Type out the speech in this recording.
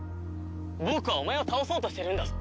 僕はお前を倒そうとしてるんだぞ。